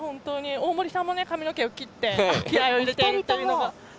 大森さんも髪の毛を切って気合いを入れてというのが。